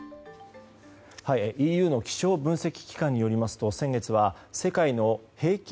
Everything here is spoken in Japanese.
ＥＵの気象分析機関によりますと先月は世界の平均